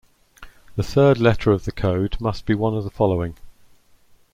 The third letter of the code must be one of the following.